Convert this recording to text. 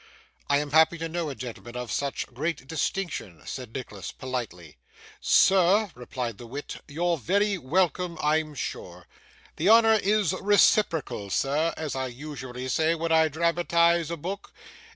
'I am happy to know a gentleman of such great distinction,' said Nicholas, politely. 'Sir,' replied the wit, 'you're very welcome, I'm sure. The honour is reciprocal, sir, as I usually say when I dramatise a book.